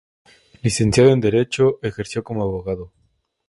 Licenciado en Derecho, ejerció como abogado.